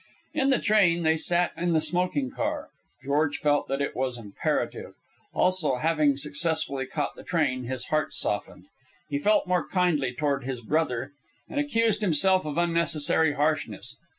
In the train they sat in the smoking car. George felt that it was imperative. Also, having successfully caught the train, his heart softened. He felt more kindly toward his brother, and accused himself of unnecessary harshness.